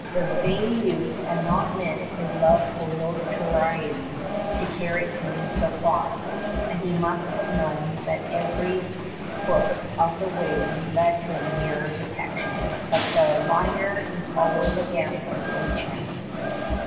The vain youth had not meant his love of notoriety to carry him so far; and he must have known that every foot of the way led him nearer detection; but the liar is always a gambler with chance.